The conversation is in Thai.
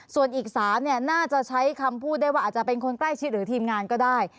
ส่วนอีก๓น่าจะใช้คำพูดได้ว่าอาจจะเป็นคนใกล้ชิดหรือทีมงานก็ได้